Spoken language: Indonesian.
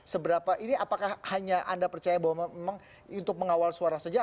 seberapa ini apakah hanya anda percaya bahwa memang untuk mengawal suara saja